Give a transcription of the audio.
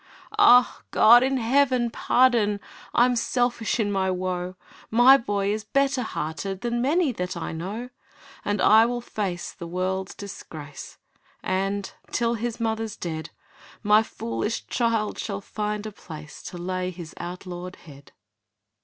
'Ah, God in Heaven pardon! I'm selfish in my woe My boy is better hearted Than many that I know. And I will face the world's disgrace, And, till his mother's dead, My foolish child shall find a place To lay his outlawed head.'